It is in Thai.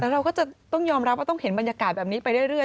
แต่เราก็จะต้องยอมรับว่าต้องเห็นบรรยากาศแบบนี้ไปเรื่อย